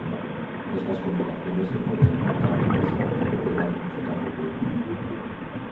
Estas compilaciones se pueden encontrar en casi cualquier tienda de música popular.